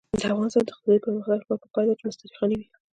د افغانستان د اقتصادي پرمختګ لپاره پکار ده چې مستري خانې وي.